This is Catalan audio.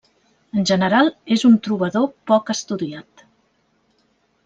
En general, és un trobador poc estudiat.